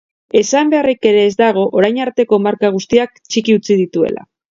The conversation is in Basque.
Esan beharrik ere ez dago orain arteko marka guztiak txiki utzi dituela.